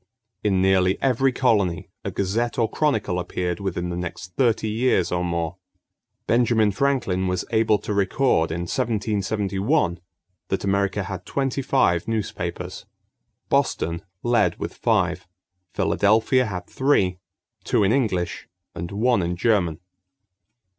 In nearly every colony a gazette or chronicle appeared within the next thirty years or more. Benjamin Franklin was able to record in 1771 that America had twenty five newspapers. Boston led with five. Philadelphia had three: two in English and one in German.